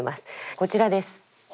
こちらです。